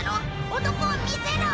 男を見せろ！